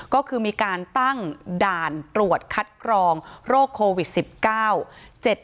ก็คือมีการตั้งด่านตรวจคัดกรองโรคโควิด๑๙